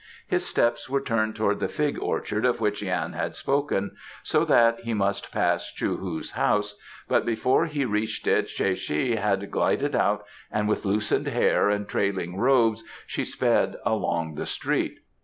His steps were turned towards the fig orchard of which Yan had spoken, so that he must pass Chou hu's house, but before he reached it Tsae che had glided out and with loosened hair and trailing robes she sped along the street.